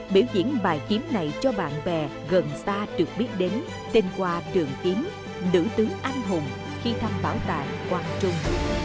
biểu diễn bài kiếm này cho bạn bè gần xa được biết đến tên qua trường kiếm nữ tướng anh hùng khi thăm bảo đại quang trung